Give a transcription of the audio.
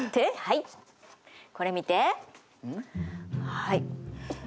はい。